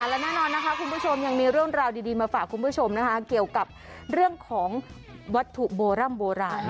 และแน่นอนนะคะคุณผู้ชมยังมีเรื่องราวดีมาฝากคุณผู้ชมนะคะเกี่ยวกับเรื่องของวัตถุโบร่ำโบราณ